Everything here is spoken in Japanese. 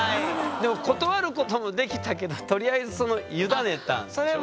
でも断ることもできたけどとりあえずその委ねたんでしょ？